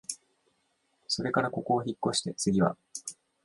それからここをひっこして、つぎは、